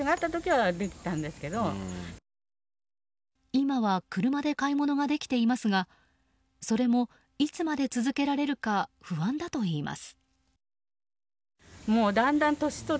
今は車で買い物ができていますがそれも、いつまで続けられるか不安だといいます。